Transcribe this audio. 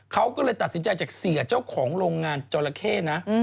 เขาก็เลยตัดสินใจจากเสียเจ้าของโรงงานจอราเข้นะ